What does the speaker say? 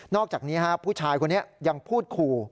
อกจากนี้ผู้ชายคนนี้ยังพูดขู่